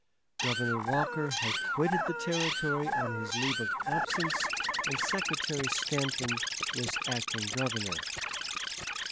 Governor Walker had quitted the Territory on his leave of absence, and Secretary Stanton was acting Governor.